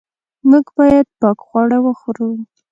موږ باید پاک خواړه وخورو.